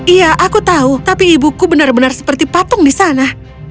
iya aku tahu tapi ibuku benar benar seperti patung di sana